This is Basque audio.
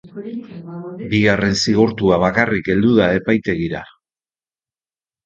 Bigarren zigortua bakarrik heldu da epaitegira.